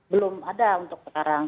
belum ada untuk sekarang